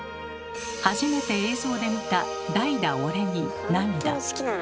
初めて映像で見た「代打、オレ」に涙。